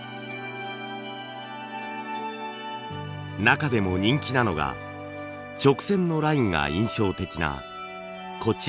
中でも人気なのが直線のラインが印象的なこちらの器。